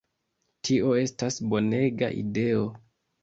Tio estas bonega ideo!"